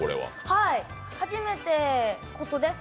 はい、初めてのことです。